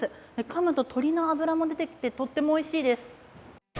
かむと鶏の脂も出てきてとってもおいしいです。